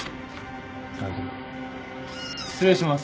失礼します。